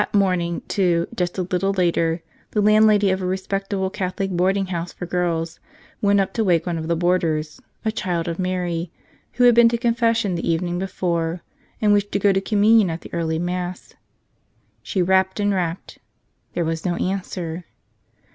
That morning, too, just a little later, the landlady of a respectable Catholic boarding house for girls went up to wake one of the boarders, a child of Mary, who had been to confession the evening before and wished to go to Communion at the early Mass. She rapped and rapped. There was no answer.